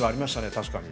確かに。